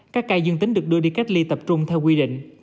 các ca dương tính được đưa đi cách ly tập trung theo quy định